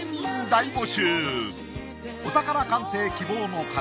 お宝鑑定希望の方